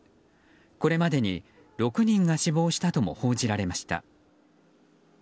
これまでに６人が死亡したとも報じられました。